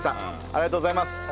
ありがとうございます。